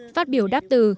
phát biểu đáp từ